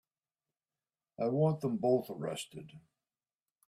I want them both arrested.